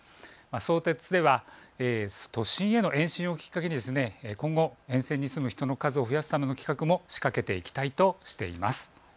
相鉄では都心への延伸をきっかけに今後、沿線に住むための企画も仕掛けていきたいとしています。